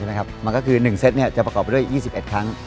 มันก็คือ๑เซตจะประกอบไปด้วย๒๑ครั้ง